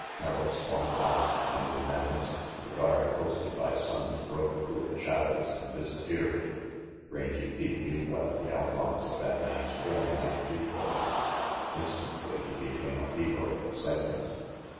Merrill swung about and in that instant the guard RANGY PETE 155 posted by Sonnes rode through the shadows and disappeared. Rangy Pete knew what the outlines of that man's form might do for him. Instantly he became a fever of excitement.